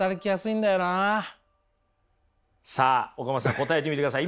さあ岡本さん答えてみてください。